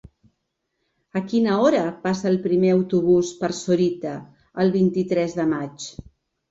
A quina hora passa el primer autobús per Sorita el vint-i-tres de maig?